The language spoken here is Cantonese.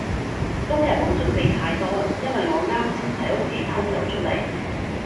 今日冇準備太多，因為我啱先喺屋企偷走出嚟